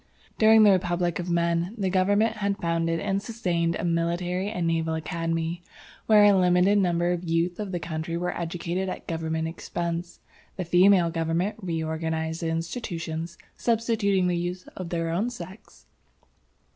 "During the Republic of men, the government had founded and sustained a military and naval academy, where a limited number of the youth of the country were educated at government expense. The female government re organized the institutions, substituting the youth of their own sex.